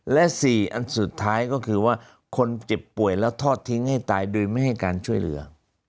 และ๔อันสุดท้ายก็คือว่าคนเจ็บป่วยแล้วทอดทิ้งให้ตายโดยไม่ให้การช่วยเหลือ